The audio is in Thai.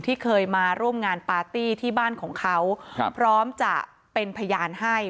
ที่เคยมาร่วมงานปาร์ตี้ที่บ้านของเขาพร้อมจะเป็นพยานให้